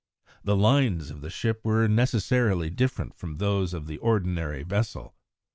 The lines of the ship were necessarily different from those of the ordinary vessel.